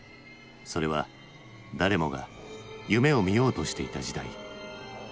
それは誰もが夢をみようとしていた時代。